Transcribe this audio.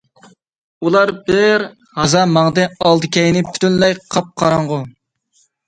ئۇلار بىر ھازا ماڭدى، ئالدى-كەينى پۈتۈنلەي قاپقاراڭغۇ.